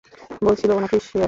বলছিল ও নাকি সিয়েরা।